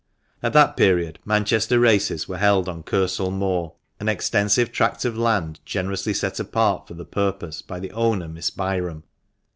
At that period Manchester races were held on Kersal Moor, an extensive tract of land generously set apart for the purpose by the owner, Miss Byrom.